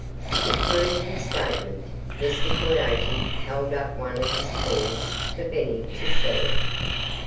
To prove his statement, Mr. Coyote held up one of his paws for Benny to see.